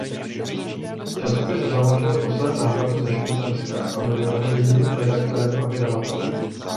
Časopis založil po svém návratu ze Švýcarska a byl jeho jediným redaktorem a vydavatelem.